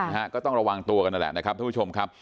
ค่ะก็ต้องระวังตัวกันแหละนะครับทุกผู้ชมครับ